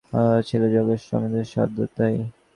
অন্নদাবাবুর ছেলে যোগেন্দ্র রমেশের সহাধ্যায়ী।